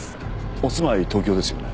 お住まい東京ですよね？